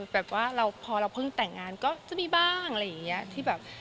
แบบว่าเราพอเราเพิ่งแต่งงานก็จะมีบ้างอะไรอย่างนี้ที่แบบ